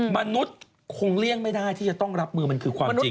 มนุษย์คงเลี่ยงไม่ได้ที่จะต้องรับมือมันคือความจริง